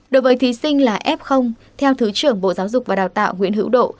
đối với thí sinh là f theo thứ trưởng bộ giáo dục và đào tạo nguyễn hữu độ